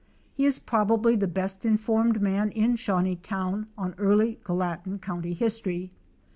He is probably the best informed man in Shawneetown on early Gallatin county history.